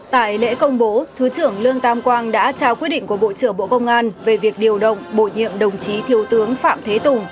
tại lễ công bố thứ trưởng lương tam quang đã trao quyết định của bộ trưởng bộ công an về việc điều động bổ nhiệm đồng chí thiếu tướng phạm thế tùng